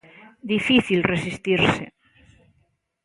Difícil resistirse.